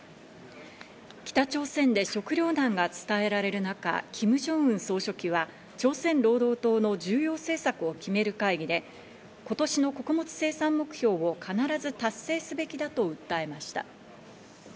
北朝鮮で食糧難が伝えられる中、キム・ジョンウン総書記は朝鮮労働党の重要政策を決める会議で、今年の穀物生産目標を必ず達成すべきだと訴えました。